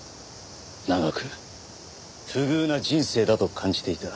長く不遇な人生だと感じていた。